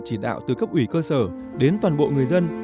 chỉ đạo từ cấp ủy cơ sở đến toàn bộ người dân